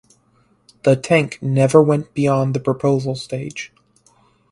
The tank never went beyond the proposal stage.